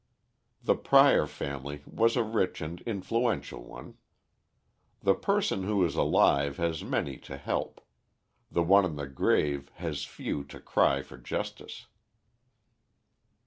The Prior family was a rich and influential one. The person who is alive has many to help; the one in the grave has few to cry for justice.